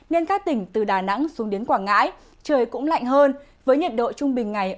nên các tỉnh từ đà nẵng xuống đến quảng ngãi trời cũng lạnh hơn với nhiệt độ trung bình ngày